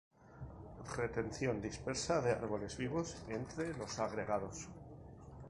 Retención dispersa de árboles vivos entre los agregados.